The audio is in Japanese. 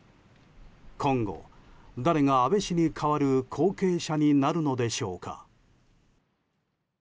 今後、誰が安倍氏に代わる後継者になるのでしょうか。